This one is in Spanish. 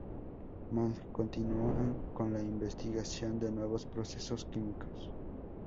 Mond continuó con la investigación de nuevos procesos químicos.